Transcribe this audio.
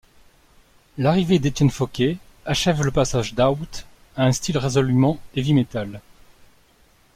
L'arrivée d'Étienne Fauquet achève le passage d'Out à un style résolument heavy metal.